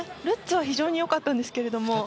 ルッツは非常に良かったんですけれども。